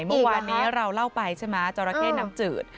เมื่อวานนี้เราเล่าไปใช่ไหมจราเข้น้ำจืด